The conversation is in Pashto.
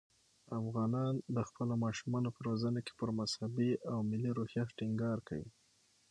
افغانان د خپلو ماشومانو په روزنه کې پر مذهبي او ملي روحیه ټینګار کوي.